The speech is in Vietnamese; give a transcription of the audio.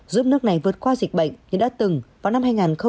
giúp nước này vượt qua dịch bệnh như đã từng vào năm hai nghìn hai mươi